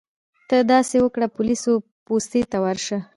ته داسې وکړه پولیسو پوستې ته ورشه.